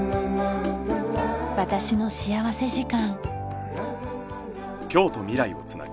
『私の幸福時間』。